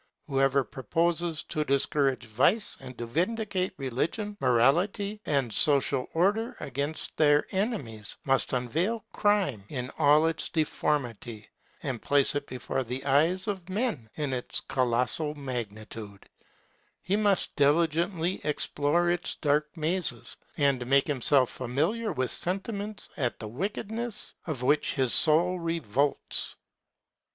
Whoever proposes to discourage vice and to vindicate religion, morality, and social order against their enemies, must unveil crime in all its deformity, and place it before the eyes of men in its colossal magnitude; he must diligently explore its dark mazes, and make himself familiar with sentiments at the wickedness of which his soul revolts.